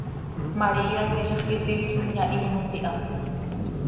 María quih zixquisiil com yahiimot iha.